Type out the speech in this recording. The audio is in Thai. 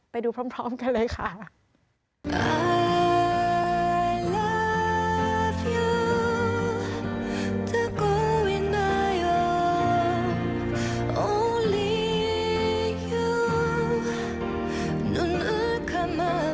ไปดูพร้อมกันเลยค่ะ